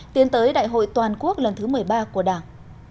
tiến tới đại hội toàn quốc lần thứ một mươi ba của đảng